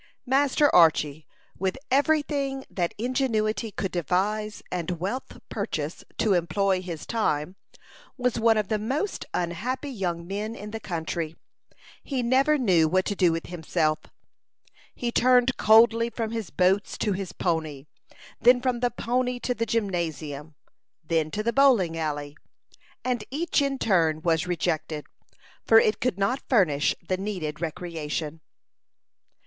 Master Archy, with every thing that ingenuity could devise and wealth purchase to employ his time, was one of the most unhappy young men in the country. He never knew what to do with himself. He turned coldly from his boats to his pony; then from the pony to the gymnasium; then to the bowling alley; and each in turn was rejected, for it could not furnish the needed recreation.